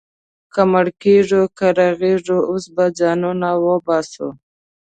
که مړه کېږو، که رغېږو، اوس به ځانونه وباسو.